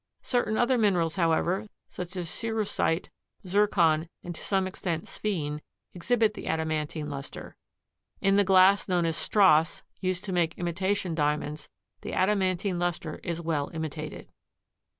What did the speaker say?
Certain other minerals, however, such as cerussite, zircon, and to some extent sphene, exhibit the adamantine luster. In the glass known as strass, used to make imitation Diamonds, the adamantine luster is well imitated.